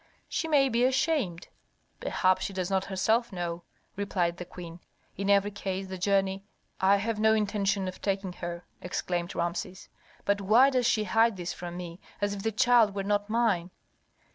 "She may be ashamed; perhaps she does not herself know," replied the queen. "In every case the journey " "I have no intention of taking her!" exclaimed Rameses. "But why does she hide this from me as if the child were not mine?"